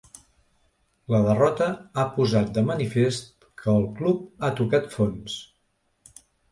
La derrota ha posat de manifest que el club ha tocat fons.